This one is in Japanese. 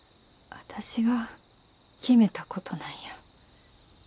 私が決めたことなんや。